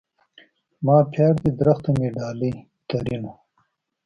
ما پيار دي درخته مي ډالی؛ ترينو